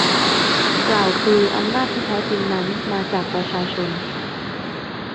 กล่าวคืออำนาจที่แท้จริงนั้นมาจากประชาชน